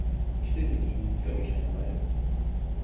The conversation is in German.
Ich bin mit Ihnen völlig einer Meinung.